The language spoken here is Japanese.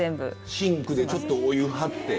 シンクでちょっとお湯張って。